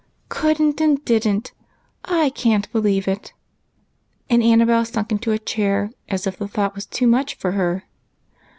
"Could and didn't! I can't believe it!" And Annabel sank into a chair, as if the thought was too much for her.